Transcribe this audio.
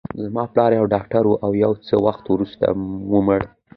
زما پلار یو ډاکټر و، او یو څه وخت وروسته ومړ.